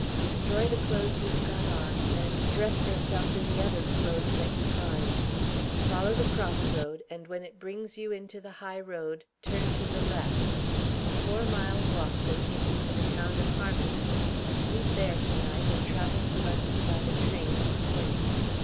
Destroy the clothes you have got on, and dress yourself in the other clothes that you find. Follow the cross road, and when it brings you into the highroad, turn to the left; a four mile walk will take you to the town of Harminster. Sleep there to night, and travel to London by the train in the morning.